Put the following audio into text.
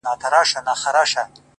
• شپه او ورځ مي په خوارۍ دئ ځان وژلى ,